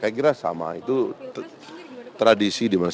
saya kira sama itu tradisi dimana